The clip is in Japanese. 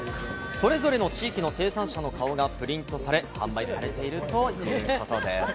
それぞれの地域の生産者の顔がプリントされ、販売されているということです。